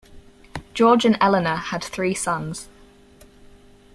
George and Eleanor had three sons.